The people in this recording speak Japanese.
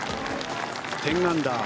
１０アンダー